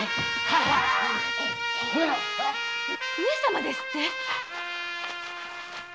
上様ですって！？